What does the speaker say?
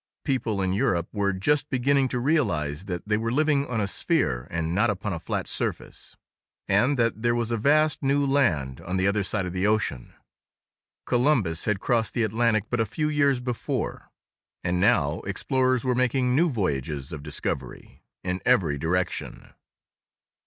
People in Europe were just beginning to realize that they were living on a sphere and not upon a flat surface, and that there was a vast new land on the other side of the ocean. Columbus had crossed the Atlantic but a few years before and now explorers were making new voyages of discovery in every direction.